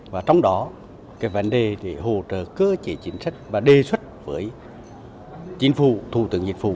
và trong đó cái vấn đề để hỗ trợ cơ chế chính sách và đề xuất với chính phủ thủ tướng dịch vụ